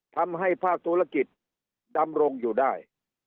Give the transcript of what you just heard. ภาคธุรกิจดำรงอยู่ได้